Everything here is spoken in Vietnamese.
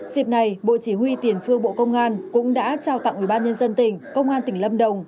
dịp này bộ chỉ huy tiền phương bộ công an cũng đã trao tặng ubnd tỉnh công an tỉnh lâm đồng